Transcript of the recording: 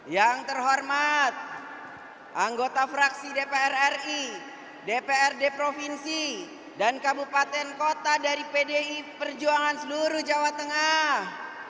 yang terhormat anggota fraksi dpr ri dprd provinsi dan kabupaten kota dari pdi perjuangan seluruh jawa tengah